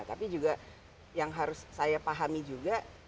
tapi juga yang harus saya pahami juga